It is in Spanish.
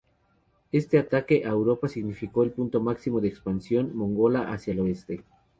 Este ataque a Europa significó el punto máximo de expansión mongola hacia el oeste.